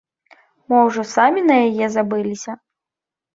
Мо ўжо самі на яе забыліся?